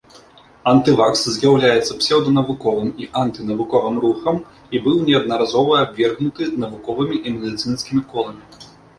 Антывакс з'яўляецца псеўданавуковым і анты-навуковым рухам і быў неаднаразова абвергнуты навуковымі і медыцынскімі коламі.